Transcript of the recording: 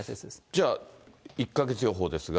じゃあ、１か月予報ですが。